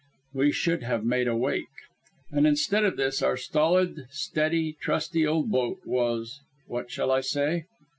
We should have made a wake. And instead of this, our stolid, steady, trusty old boat was what shall I say?